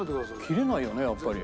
切れないよねやっぱり。